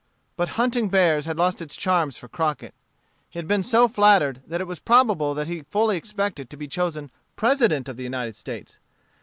But hunting bears had lost its charms for Crockett. He had been so flattered that it is probable that he fully expected to be chosen President of the United States.